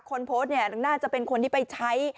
คนโพสต์เนี่ยน่าจะเป็นคนที่ไปใช้